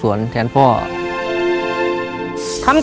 คุณฝนจากชายบรรยาย